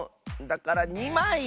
だから２まい！